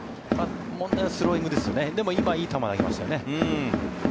問題はスローイングですが今はいい球を投げましたね。